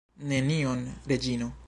Nenion, Reĝino.